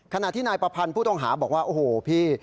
ขณะที่นายประพันธ์ผู้ต้องหาบอกว่าโอ้โหพี่